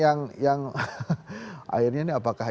akhirnya ini apakah